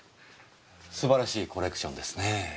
素晴らしいコレクションですねぇ。